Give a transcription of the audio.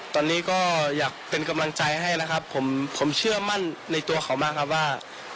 ตอนนี้ก็อยากเป็นกำลังใจให้นะครับผมผมเชื่อมั่นในตัวเขามากครับว่า